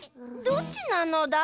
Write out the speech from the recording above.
どっちなのだ？